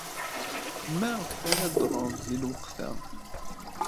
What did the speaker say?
Maɣef ara d-ɣrent deg lweqt-a?